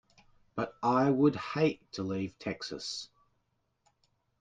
But I would hate to leave Texas.